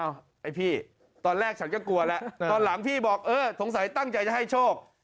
ไอ้พี่ตอนแรกฉันก็กลัวแล้วตอนหลังพี่บอกเออสงสัยตั้งใจจะให้โชค